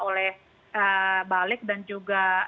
oleh balik dan juga